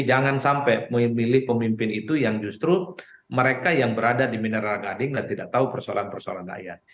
jangan sampai memilih pemimpin itu yang justru mereka yang berada di mineral gading dan tidak tahu persoalan persoalan rakyat